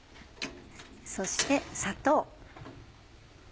そして砂糖。